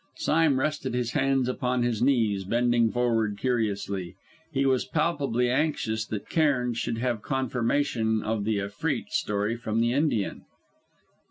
Sime rested his hands upon his knees, bending forward curiously. He was palpably anxious that Cairn should have confirmation of the Efreet story from the Indian.